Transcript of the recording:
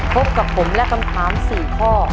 พบกับผมและคำถาม๔ข้อ